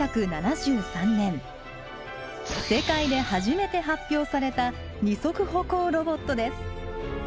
世界で初めて発表された二足歩行ロボットです。